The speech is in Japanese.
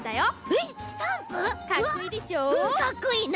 うんかっこいい。